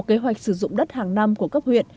kế hoạch sử dụng đất hàng năm của cấp huyện